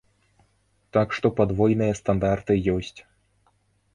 Так што падвойныя стандарты ёсць.